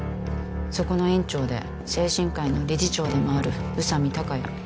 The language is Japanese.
そこの院長で誠新会の理事長でもある宇佐美孝也